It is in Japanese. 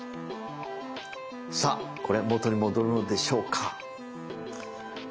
さあこれ元に戻るのでしょうか？